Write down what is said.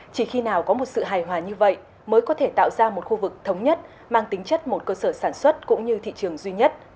chỉ khi nào có một sự hài hòa như vậy mới có thể tạo ra một khu vực thống nhất mang tính chất một cơ sở sản xuất cũng như thị trường duy nhất